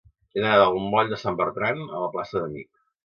He d'anar del moll de Sant Bertran a la plaça d'Amich.